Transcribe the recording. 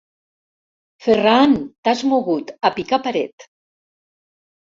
Ferraaan, t'has mogut, a picar paret!